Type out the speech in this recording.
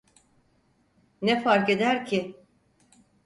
Ne farkeder ki?